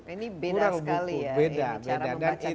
ini beda sekali ya cara membaca dapatnya